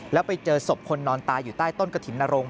แล้วไปเจอศพคนนอนตายอยู่ใต้ต้นกระถิ่นนรงค